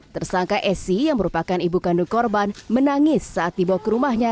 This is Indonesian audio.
tersangka esi yang merupakan ibu kandung korban menangis saat dibawa ke rumahnya